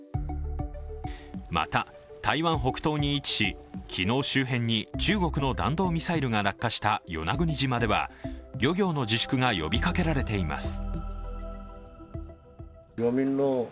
また、台湾北東に位置し昨日周辺に中国の弾道ミサイルが落下した与那国島では、漁業の自粛が呼びかけられています。